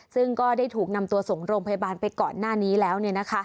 ซึ่งก็ได้ถูกนำตัวส่งโรงพยาบาลไปก่อนหน้านี้แล้ว